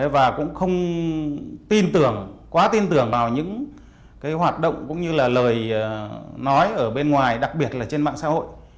và cũng không tin tưởng quá tin tưởng vào những hoạt động cũng như là lời nói ở bên ngoài đặc biệt là trên mạng xã hội